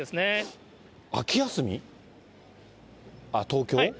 東京？